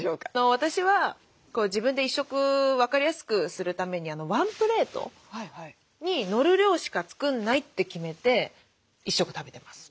私は自分で１食分かりやすくするためにワンプレートにのる量しか作んないって決めて１食食べてます。